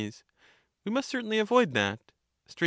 Sac, We must certainly avoid that. Str.